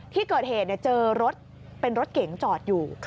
ที่เกิดเหตุเจอรถเป็นรถเก๋งจอดอยู่